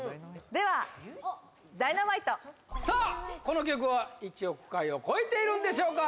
では「Ｄｙｎａｍｉｔｅ」さあこの曲は１億回を超えているんでしょうか？